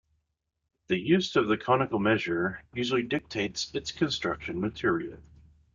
The use of the conical measure usually dictates its construction material.